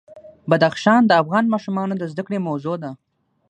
بدخشان د افغان ماشومانو د زده کړې موضوع ده.